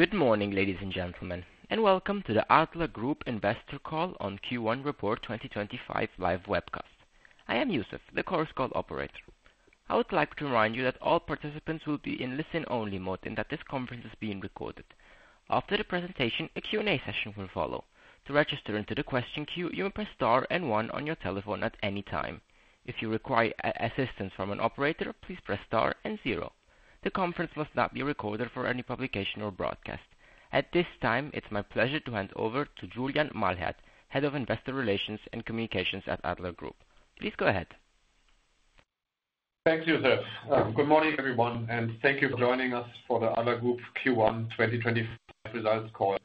Good morning, ladies and gentlemen, and welcome to the Adler Group Investor Call on Q1 Report 2025 live webcast. I am Youssef, the course call operator. I would like to remind you that all participants will be in listen-only mode and that this conference is being recorded. After the presentation, a Q&A session will follow. To register into the question queue, you may press star and one on your telephone at any time. If you require assistance from an operator, please press star and zero. The conference must not be recorded for any publication or broadcast. At this time, it's my pleasure to hand over to Julian Mahlert, Head of Investor Relations and Communications at Adler Group. Please go ahead. Thanks, Youssef. Good morning, everyone, and thank you for joining us for the Adler Group Q1 2025 results call.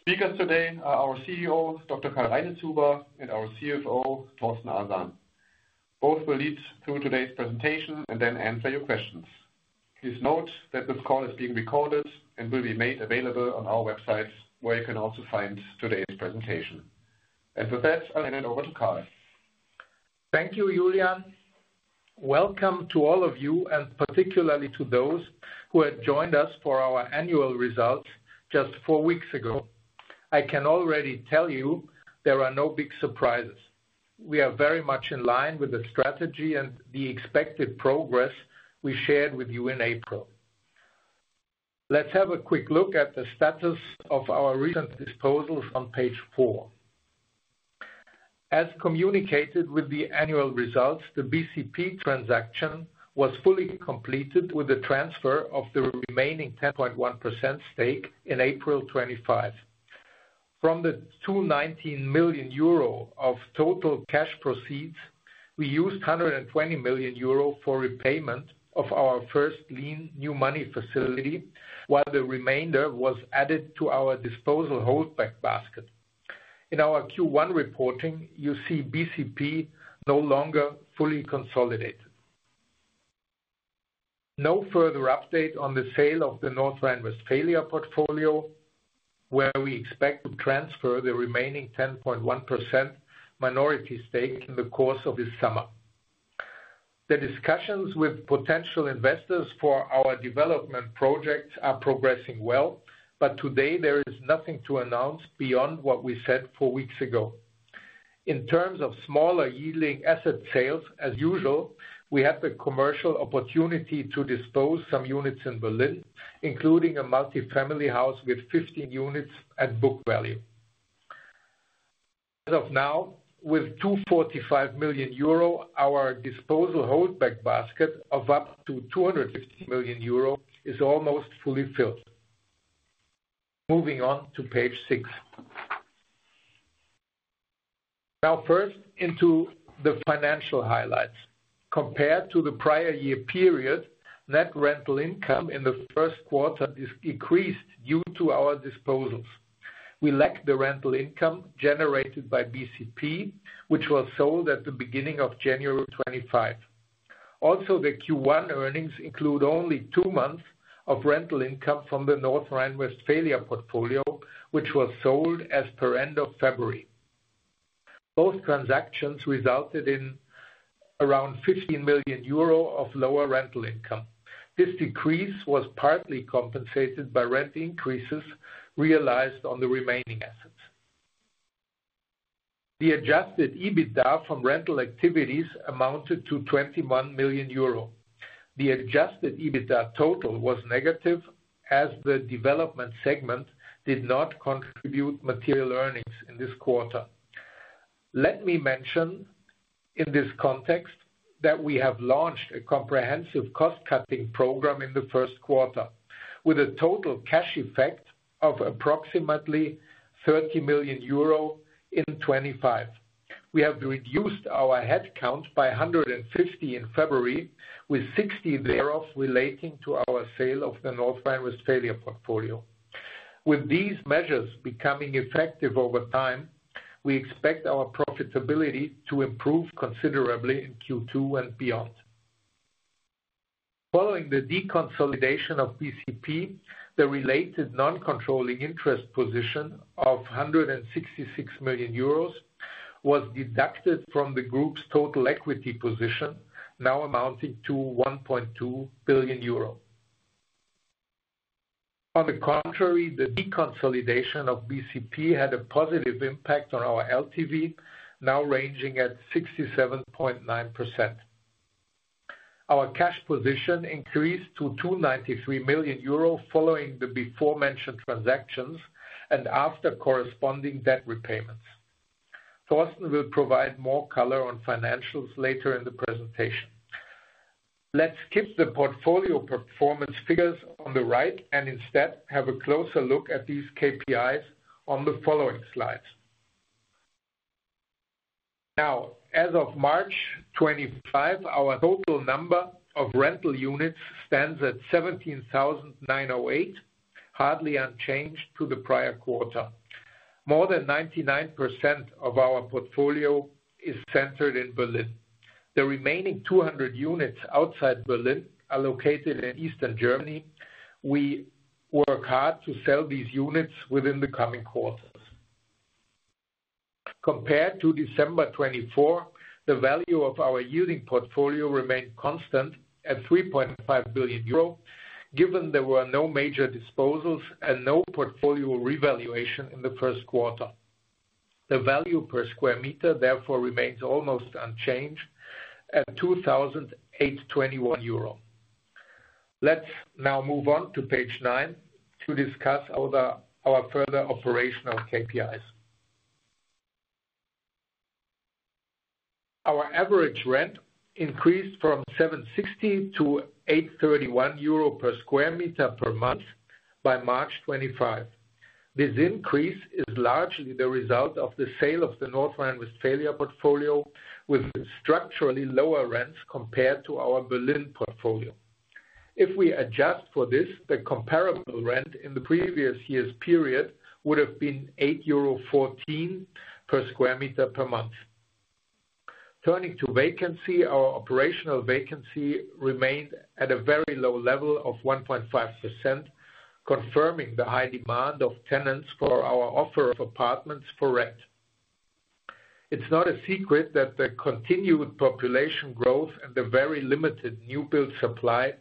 Speakers today are our CEO, Dr. Karlheinz Reinhard, and our CFO, Torsten Colen. Both will lead through today's presentation and then answer your questions. Please note that this call is being recorded and will be made available on our website, where you can also find today's presentation. With that, I'll hand it over to Karl. Thank you, Julian. Welcome to all of you, and particularly to those who have joined us for our annual results just four weeks ago. I can already tell you there are no big surprises. We are very much in line with the strategy and the expected progress we shared with you in April. Let's have a quick look at the status of our recent disposals on page four. As communicated with the annual results, the BCP transaction was fully completed with the transfer of the remaining 10.1% stake in April 2025. From the 219 million euro of total cash proceeds, we used 120 million euro for repayment of our first lien new money facility, while the remainder was added to our disposal holdback basket. In our Q1 reporting, you see BCP no longer fully consolidated. No further update on the sale of the North Rhine-Westphalia portfolio, where we expect to transfer the remaining 10.1% minority stake in the course of this summer. The discussions with potential investors for our development project are progressing well, but today there is nothing to announce beyond what we said four weeks ago. In terms of smaller yielding asset sales, as usual, we had the commercial opportunity to dispose of some units in Berlin, including a multi-family house with 15 units at book value. As of now, with 245 million euro, our disposal holdback basket of up to 250 million euro is almost fully filled. Moving on to page six. Now, first, into the financial highlights. Compared to the prior year period, net rental income in the first quarter is decreased due to our disposals. We lack the rental income generated by BCP, which was sold at the beginning of January 2025. Also, the Q1 earnings include only two months of rental income from the North Rhine-Westphalia portfolio, which was sold as per end of February. Both transactions resulted in around 15 million euro of lower rental income. This decrease was partly compensated by rent increases realized on the remaining assets. The adjusted EBITDA from rental activities amounted to 21 million euro. The adjusted EBITDA total was negative as the development segment did not contribute material earnings in this quarter. Let me mention, in this context, that we have launched a comprehensive cost-cutting program in the first quarter, with a total cash effect of approximately 30 million euro in 2025. We have reduced our headcount by 150 in February, with 60 thereof relating to our sale of the North Rhine-Westphalia portfolio. With these measures becoming effective over time, we expect our profitability to improve considerably in Q2 and beyond. Following the deconsolidation of BCP, the related non-controlling interest position of 166 million euros was deducted from the group's total equity position, now amounting to 1.2 billion euro. On the contrary, the deconsolidation of BCP had a positive impact on our LTV, now ranging at 67.9%. Our cash position increased to 293 million euro following the before-mentioned transactions and after corresponding debt repayments. Torsten will provide more color on financials later in the presentation. Let's skip the portfolio performance figures on the right and instead have a closer look at these KPIs on the following slides. Now, as of March 2025, our total number of rental units stands at 17,908, hardly unchanged to the prior quarter. More than 99% of our portfolio is centered in Berlin. The remaining 200 units outside Berlin are located in eastern Germany. We work hard to sell these units within the coming quarters. Compared to December 2024, the value of our yielding portfolio remained constant at 3.5 billion euro, given there were no major disposals and no portfolio revaluation in the first quarter. The value per square meter, therefore, remains almost unchanged at 2,821 euro. Let's now move on to page nine to discuss our further operational KPIs. Our average rent increased from 7.60 to 8.31 euro per square meter per month by March 2025. This increase is largely the result of the sale of the North Rhine-Westphalia portfolio, with structurally lower rents compared to our Berlin portfolio. If we adjust for this, the comparable rent in the previous year's period would have been 8.14 euro per square meter per month. Turning to vacancy, our operational vacancy remained at a very low level of 1.5%, confirming the high demand of tenants for our offer of apartments for rent. It's not a secret that the continued population growth and the very limited new build supply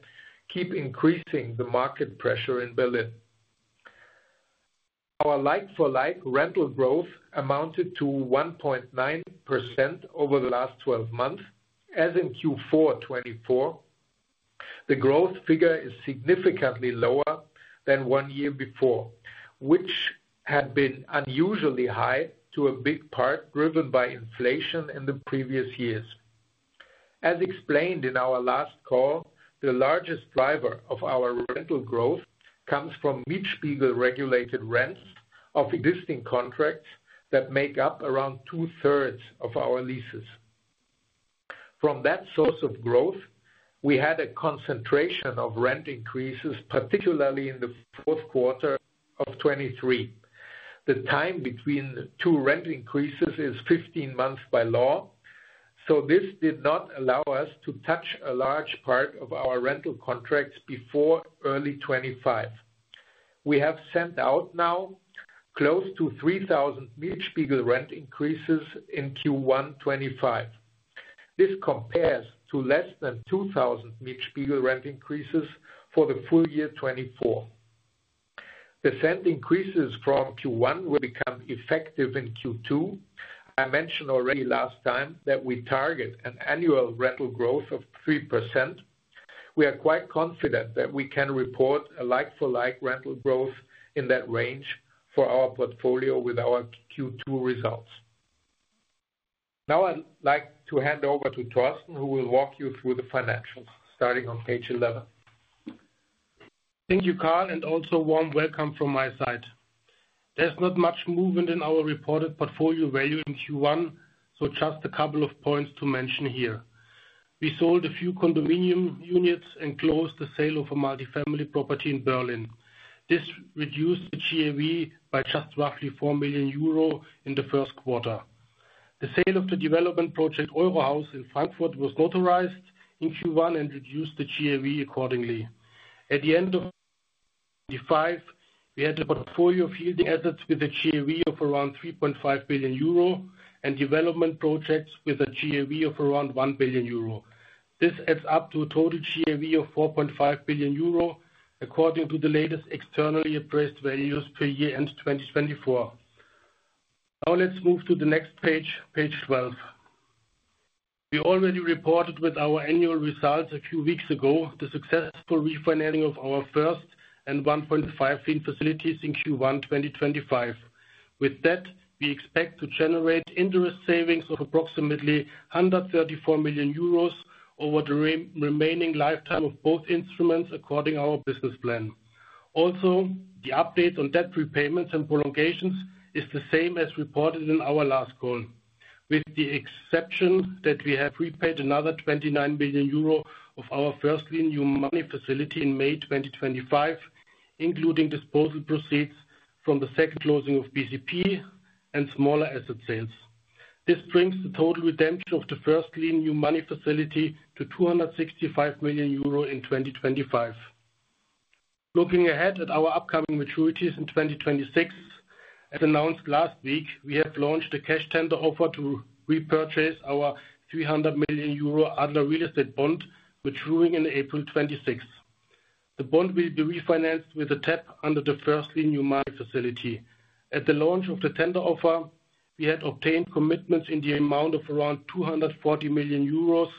keep increasing the market pressure in Berlin. Our like-for-like rental growth amounted to 1.9% over the last 12 months, as in Q4 2024. The growth figure is significantly lower than one year before, which had been unusually high, to a big part driven by inflation in the previous years. As explained in our last call, the largest driver of our rental growth comes from Mietspiegel-regulated rents of existing contracts that make up around two-thirds of our leases. From that source of growth, we had a concentration of rent increases, particularly in the fourth quarter of 2023. The time between two rent increases is 15 months by law, so this did not allow us to touch a large part of our rental contracts before early 2025. We have sent out now close to 3,000 Mietspiegel rent increases in Q1 2025. This compares to less than 2,000 Mietspiegel rent increases for the full year 2024. The sent increases from Q1 will become effective in Q2. I mentioned already last time that we target an annual rental growth of 3%. We are quite confident that we can report a like-for-like rental growth in that range for our portfolio with our Q2 results. Now, I'd like to hand over to Torsten, who will walk you through the financials, starting on page 11. Thank you, Karl, and also warm welcome from my side. There is not much movement in our reported portfolio value in Q1, so just a couple of points to mention here. We sold a few condominium units and closed the sale of a multi-family property in Berlin. This reduced the GAV by just roughly 4 million euro in the first quarter. The sale of the development project EuroHaus in Frankfurt was notarized in Q1 and reduced the GAV accordingly. At the end of 2025, we had a portfolio of yielding assets with a GAV of around 3.5 billion euro and development projects with a GAV of around 1 billion euro. This adds up to a total GAV of 4.5 billion euro, according to the latest externally appraised values per year end 2024. Now, let's move to the next page, page 12. We already reported with our annual results a few weeks ago the successful refinancing of our first and 1.5-fin facilities in Q1 2025. With that, we expect to generate interest savings of approximately 134 million euros over the remaining lifetime of both instruments according to our business plan. Also, the update on debt repayments and prolongations is the same as reported in our last call, with the exception that we have repaid another 29 million euro of our First Lien New Money Facility in May 2025, including disposal proceeds from the second closing of BCP and smaller asset sales. This brings the total redemption of the First Lien New Money Facility to 265 million euro in 2025. Looking ahead at our upcoming maturities in 2026, as announced last week, we have launched a cash tender offer to repurchase our 300 million euro Adler Real Estate bond, which is ruling in April 2026. The bond will be refinanced with a TEP under the First Lien New Money Facility. At the launch of the tender offer, we had obtained commitments in the amount of around 240 million euros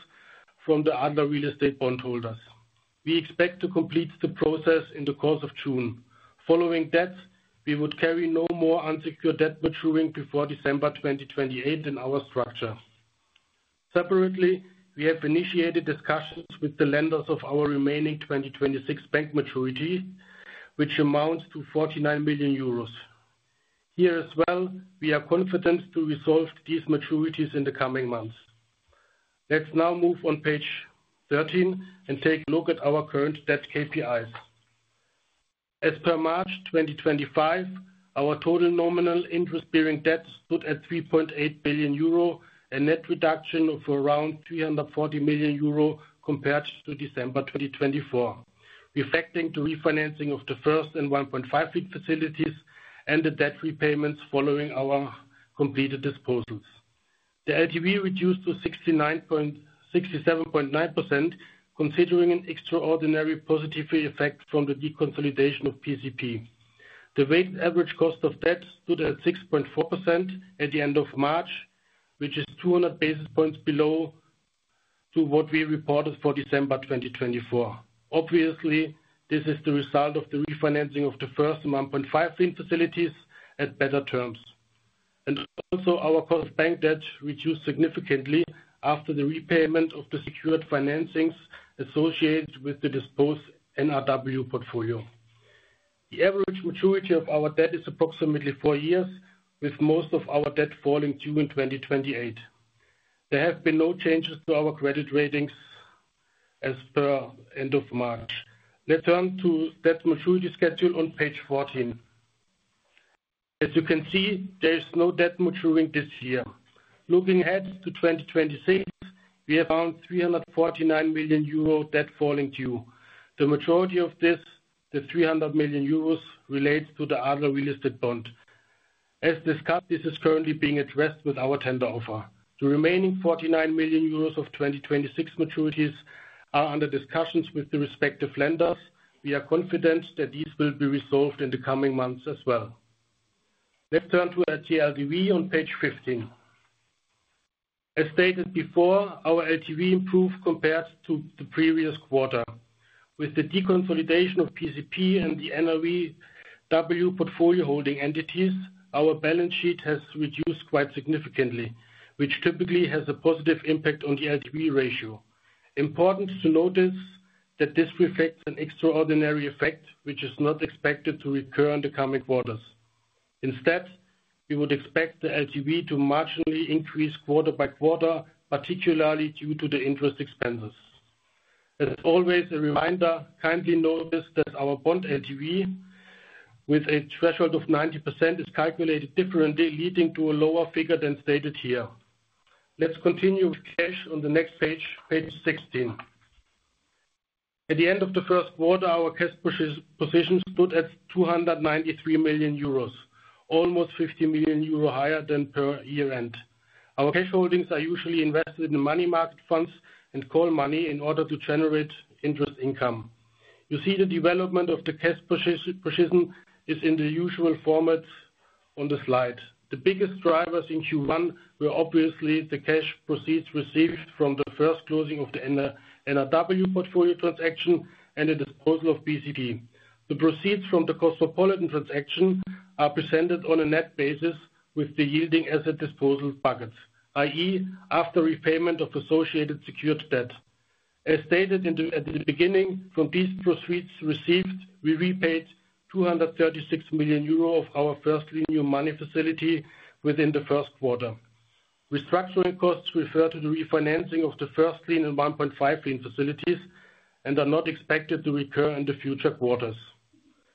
from the Adler Real Estate bondholders. We expect to complete the process in the course of June. Following that, we would carry no more unsecured debt maturing before December 2028 in our structure. Separately, we have initiated discussions with the lenders of our remaining 2026 bank maturity, which amounts to 49 million euros. Here as well, we are confident to resolve these maturities in the coming months. Let's now move on page 13 and take a look at our current debt KPIs. As per March 2025, our total nominal interest-bearing debt stood at 3.8 billion euro and net reduction of around 340 million euro compared to December 2024, reflecting the refinancing of the first and 1.5-fin facilities and the debt repayments following our completed disposals. The LTV reduced to 67.9%, considering an extraordinary positive effect from the deconsolidation of BCP. The weighted average cost of debt stood at 6.4% at the end of March, which is 200 basis points below what we reported for December 2024. Obviously, this is the result of the refinancing of the first and 1.5-fin facilities at better terms. Also, our cost bank debt reduced significantly after the repayment of the secured financings associated with the disposed NRW portfolio. The average maturity of our debt is approximately four years, with most of our debt falling due in 2028. There have been no changes to our credit ratings as per end of March. Let's turn to debt maturity schedule on page 14. As you can see, there is no debt maturing this year. Looking ahead to 2026, we have around 349 million euro debt falling due. The majority of this, the 300 million euros, relates to the Adler Real Estate bond. As discussed, this is currently being addressed with our tender offer. The remaining 49 million euros of 2026 maturities are under discussions with the respective lenders. We are confident that these will be resolved in the coming months as well. Let's turn to LTV on page 15. As stated before, our LTV improved compared to the previous quarter. With the deconsolidation of BCP and the NRW portfolio holding entities, our balance sheet has reduced quite significantly, which typically has a positive impact on the LTV ratio. Important to notice that this reflects an extraordinary effect, which is not expected to recur in the coming quarters. Instead, we would expect the LTV to marginally increase quarter by quarter, particularly due to the interest expenses. As always, a reminder, kindly notice that our bond LTV with a threshold of 90% is calculated differently, leading to a lower figure than stated here. Let's continue with cash on the next page, page 16. At the end of the first quarter, our cash position stood at 293 million euros, almost 50 million euro higher than per year-end. Our cash holdings are usually invested in money market funds and call money in order to generate interest income. You see the development of the cash position is in the usual format on the slide. The biggest drivers in Q1 were obviously the cash proceeds received from the first closing of the NRW portfolio transaction and the disposal of BCP. The proceeds from the Cosmopolitan transaction are presented on a net basis with the yielding asset disposal buckets, i.e., after repayment of associated secured debt. As stated at the beginning, from these proceeds received, we repaid 236 million euro of our first lien new money facility within the first quarter. Restructuring costs refer to the refinancing of the first lien and 1.5-fin facilities and are not expected to recur in the future quarters.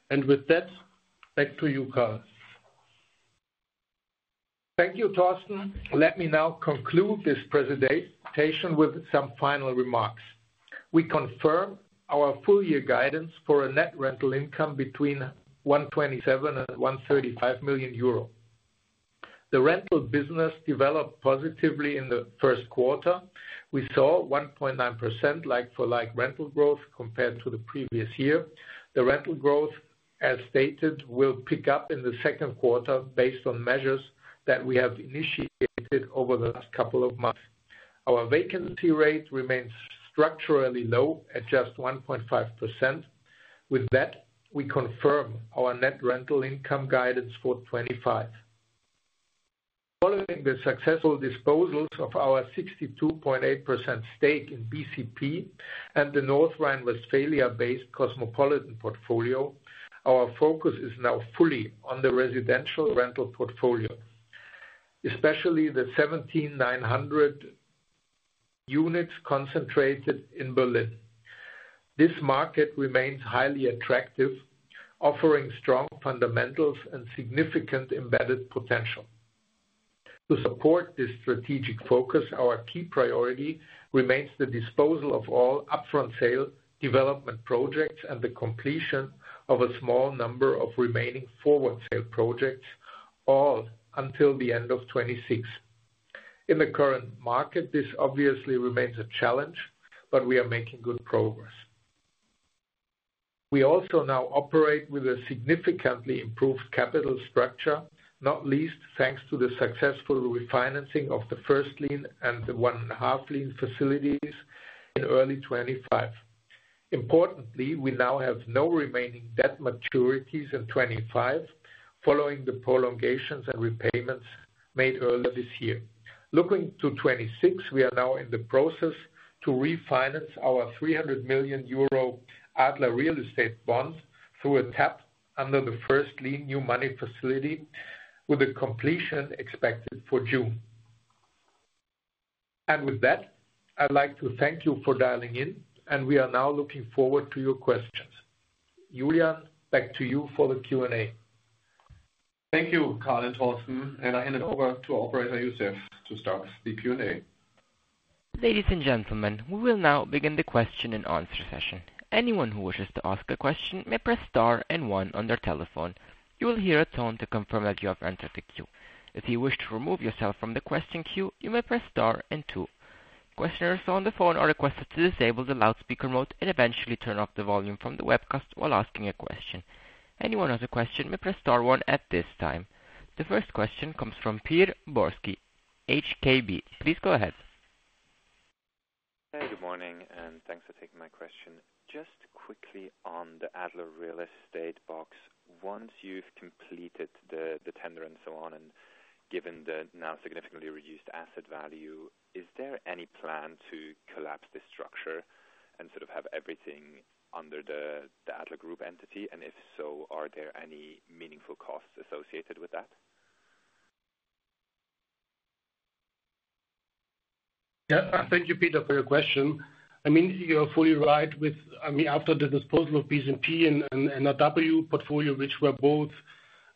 With that, back to you, Karl. Thank you, Torsten. Let me now conclude this presentation with some final remarks. We confirm our full year guidance for a net rental income between 127 million and 135 million euro. The rental business developed positively in the first quarter. We saw 1.9% like-for-like rental growth compared to the previous year. The rental growth, as stated, will pick up in the second quarter based on measures that we have initiated over the last couple of months. Our vacancy rate remains structurally low at just 1.5%. With that, we confirm our net rental income guidance for 2025. Following the successful disposals of our 62.8% stake in BCP and the North Rhine-Westphalia-based Cosmopolitan portfolio, our focus is now fully on the residential rental portfolio, especially the 17,900 units concentrated in Berlin. This market remains highly attractive, offering strong fundamentals and significant embedded potential. To support this strategic focus, our key priority remains the disposal of all upfront sale development projects and the completion of a small number of remaining forward sale projects, all until the end of 2026. In the current market, this obviously remains a challenge, but we are making good progress. We also now operate with a significantly improved capital structure, not least thanks to the successful refinancing of the first lien and the 1.5 billion facilities in early 2025. Importantly, we now have no remaining debt maturities in 2025, following the prolongations and repayments made earlier this year. Looking to 2026, we are now in the process to refinance our 300 million euro Adler Real Estate bond through a TEP under the first lien new money facility, with the completion expected for June. Thank you for dialing in, and we are now looking forward to your questions. Julian, back to you for the Q&A. Thank you, Karl and Torsten, and I hand it over to Operator Youssef to start the Q&A. Ladies and gentlemen, we will now begin the question and answer session. Anyone who wishes to ask a question may press star and one on their telephone. You will hear a tone to confirm that you have entered the queue. If you wish to remove yourself from the question queue, you may press star and two. Questioners on the phone are requested to disable the loudspeaker mode and eventually turn off the volume from the webcast while asking a question. Anyone who has a question may press star one at this time. The first question comes from Pierre Borski, HKB. Please go ahead. Hey, good morning, and thanks for taking my question. Just quickly on the Adler Real Estate box, once you've completed the tender and so on and given the now significantly reduced asset value, is there any plan to collapse this structure and sort of have everything under the Adler Group entity? If so, are there any meaningful costs associated with that? Yeah, thank you, Peter, for your question. I mean, you're fully right with, I mean, after the disposal of BCP and NRW portfolio, which were both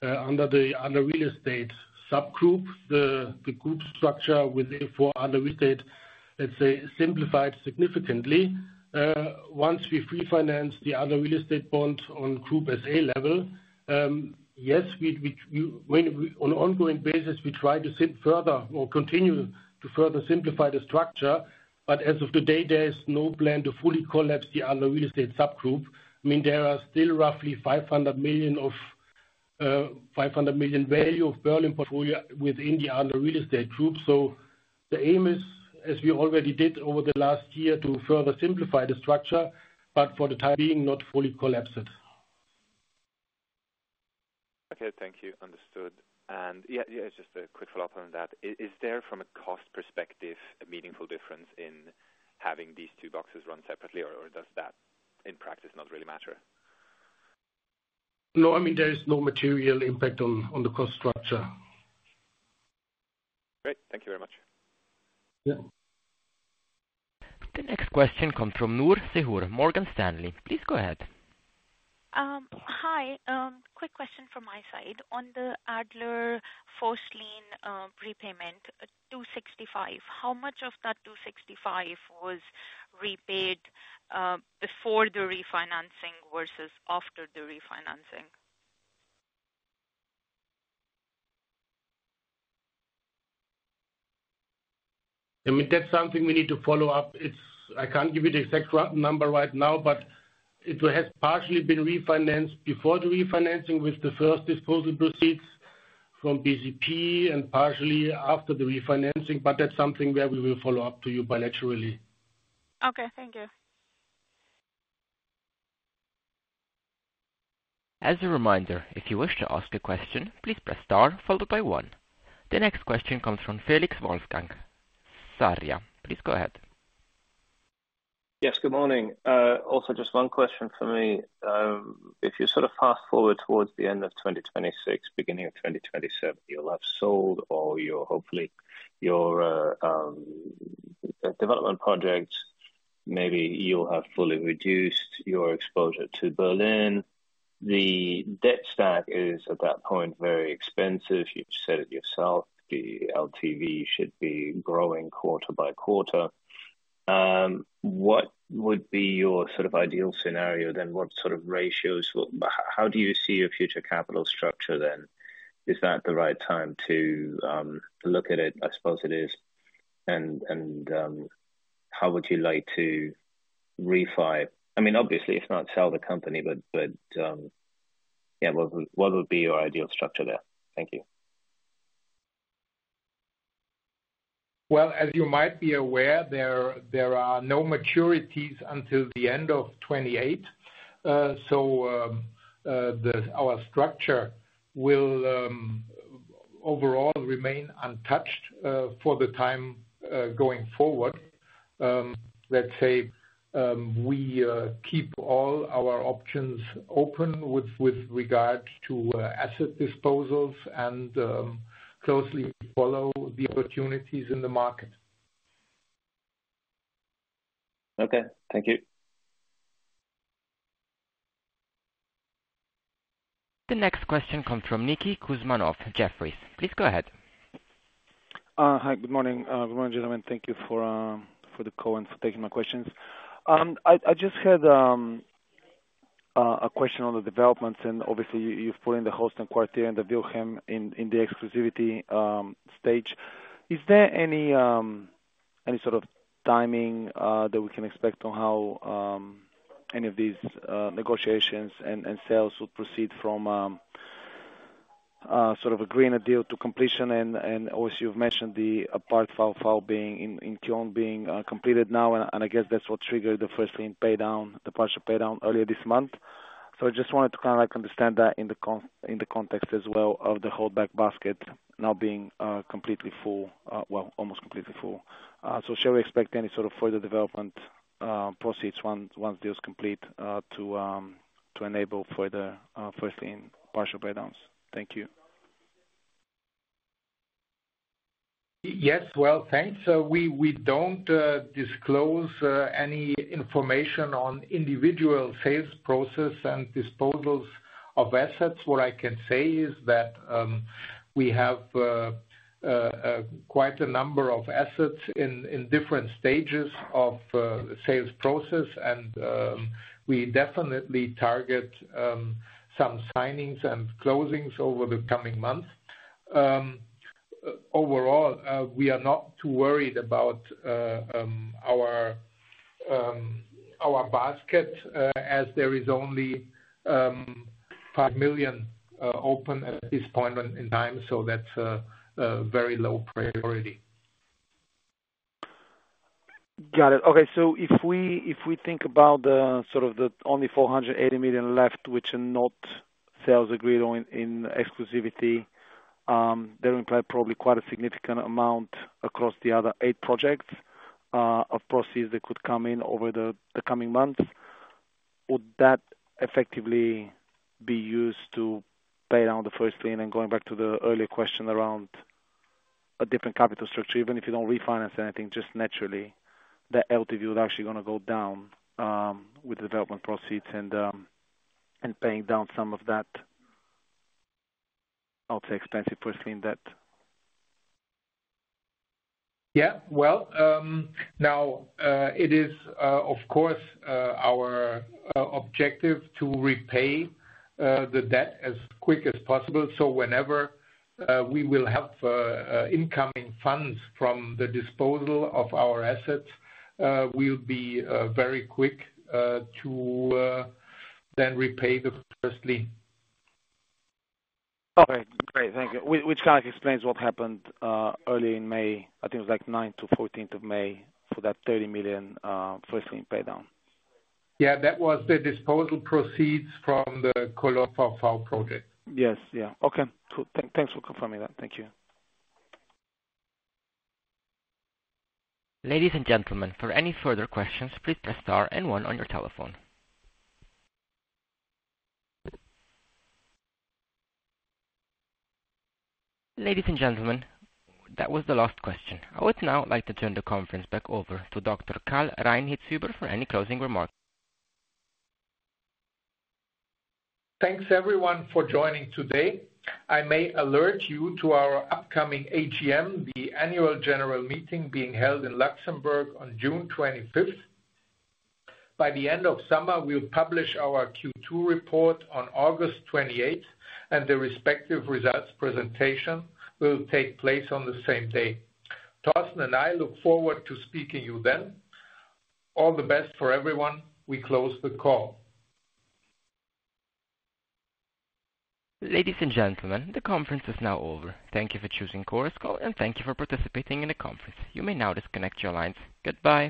under the Adler Real Estate subgroup, the group structure within for Adler Real Estate, let's say, simplified significantly. Once we refinanced the Adler Real Estate bond on group SA level, yes, on an ongoing basis, we tried to further or continue to further simplify the structure. As of today, there is no plan to fully collapse the Adler Real Estate subgroup. I mean, there are still roughly 500 million value of Berlin portfolio within the Adler Real Estate group. The aim is, as we already did over the last year, to further simplify the structure, but for the time being, not fully collapsed. Okay, thank you. Understood. Yeah, just a quick follow-up on that. Is there, from a cost perspective, a meaningful difference in having these two boxes run separately, or does that, in practice, not really matter? No, I mean, there is no material impact on the cost structure. Great. Thank you very much. Yeah. The next question comes from Noor Sehur, Morgan Stanley. Please go ahead. Hi, quick question from my side. On the Adler first lien repayment, 265 million, how much of that 265 million was repaid before the refinancing versus after the refinancing? I mean, that's something we need to follow up. I can't give you the exact number right now, but it has partially been refinanced before the refinancing with the first disposal proceeds from BCP and partially after the refinancing. That's something where we will follow up to you bilaterally. Okay, thank you. As a reminder, if you wish to ask a question, please press star followed by one. The next question comes from Felix Wolfgang Sarria. Please go ahead. Yes, good morning. Also, just one question for me. If you sort of fast forward towards the end of 2026, beginning of 2027, you'll have sold all your, hopefully, your development projects. Maybe you'll have fully reduced your exposure to Berlin. The debt stack is, at that point, very expensive. You've said it yourself, the LTV should be growing quarter by quarter. What would be your sort of ideal scenario then? What sort of ratios? How do you see your future capital structure then? Is that the right time to look at it? I suppose it is. How would you like to refile? I mean, obviously, if not sell the company, but yeah, what would be your ideal structure there? Thank you. As you might be aware, there are no maturities until the end of 2028. Our structure will overall remain untouched for the time going forward. Let's say we keep all our options open with regard to asset disposals and closely follow the opportunities in the market. Okay, thank you. The next question comes from Niki Kuzmanov, Jefferies. Please go ahead. Hi, good morning. Good morning, gentlemen. Thank you for the call and for taking my questions. I just had a question on the developments, and obviously, you've put in the Holstein Quartier and the Wilhelm in the exclusivity stage. Is there any sort of timing that we can expect on how any of these negotiations and sales would proceed from sort of agreeing a deal to completion? Obviously, you've mentioned the part 55 in Köln being completed now, and I guess that's what triggered the first lien paydown, the partial paydown earlier this month. I just wanted to kind of understand that in the context as well of the holdback basket now being completely full, well, almost completely full. Shall we expect any sort of further development proceeds once the deal is complete to enable further first lien partial paydowns? Thank you. Yes, thanks. We do not disclose any information on individual sales process and disposals of assets. What I can say is that we have quite a number of assets in different stages of sales process, and we definitely target some signings and closings over the coming months. Overall, we are not too worried about our basket as there is only 5 million open at this point in time, so that is a very low priority. Got it. Okay, so if we think about sort of the only 480 million left, which are not sales agreed on in exclusivity, that would imply probably quite a significant amount across the other eight projects of proceeds that could come in over the coming months. Would that effectively be used to pay down the first lien? And going back to the earlier question around a different capital structure, even if you do not refinance anything, just naturally, that LTV would actually going to go down with development proceeds and paying down some of that, I'll say, expensive first lien debt? Yeah, now it is, of course, our objective to repay the debt as quick as possible. So whenever we will have incoming funds from the disposal of our assets, we'll be very quick to then repay the first lien. Okay, great. Thank you. Which kind of explains what happened early in May, I think it was like 9th to 14th of May for that 30 million first lien paydown. Yeah, that was the disposal proceeds from the Köln 55 project. Yes, yeah. Okay, cool. Thanks for confirming that. Thank you. Ladies and gentlemen, for any further questions, please press star and one on your telephone. Ladies and gentlemen, that was the last question. I would now like to turn the conference back over to Dr. Karlheinz Reinhard for any closing remarks. Thanks, everyone, for joining today. I may alert you to our upcoming AGM, the annual general meeting being held in Luxembourg on June 25. By the end of summer, we'll publish our Q2 report on August 28, and the respective results presentation will take place on the same day. Torsten and I look forward to speaking to you then. All the best for everyone. We close the call. Ladies and gentlemen, the conference is now over. Thank you for choosing Coruscal, and thank you for participating in the conference. You may now disconnect your lines. Goodbye.